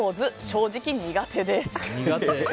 正直、苦手です。